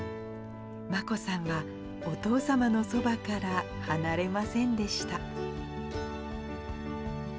眞子さんは、お父さまのそばから離れませんでした。